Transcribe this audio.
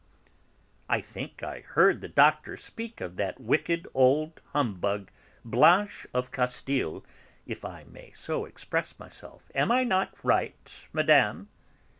"I think I heard the Doctor speak of that wicked old humbug, Blanche of Castile, if I may so express myself. Am I not right, Madame?"